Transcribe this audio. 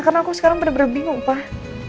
karena aku sekarang bener bener bingung pak